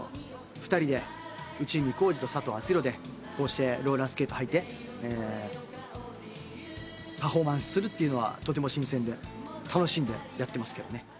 内海光司と佐藤アツヒロでこうしてローラースケート履いてパフォーマンスするっていうのはとても新鮮で楽しんでやってますけどね。